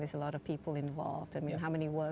berapa banyak pekerja dan apakah anda terlibat